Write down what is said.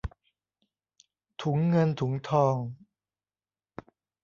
ถุงเงินถุงทอง